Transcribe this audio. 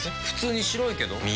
普通に白いけど。